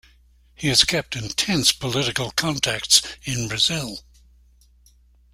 He has kept intense political contacts in Brazil.